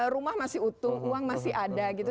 rumah masih utuh uang masih ada gitu